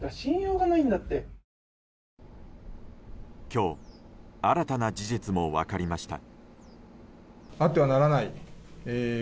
今日新たな事実も分かりました。